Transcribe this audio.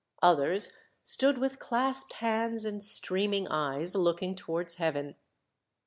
Others stood with clasped hands, and streaming eyes, looking towards heaven.